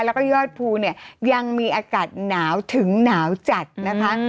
แล้วก็ยอดภูเนี่ยยังมีอากาศหนาวถึงหนาวจัดนะคะ